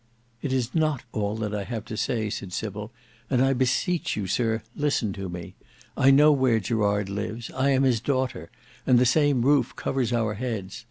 "It is not all that I have to say," said Sybil; "and I beseech you, sir, listen to me. I know where Gerard lives: I am his daughter, and the same roof covers our heads.